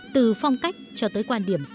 từ phong cách cho tới quan điểm sống